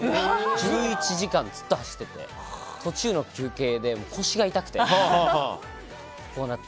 １１時間もずっと走ってて、途中の休憩で腰が痛くて、こうなった。